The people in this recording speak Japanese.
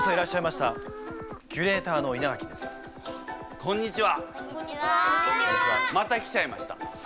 また来ちゃいました。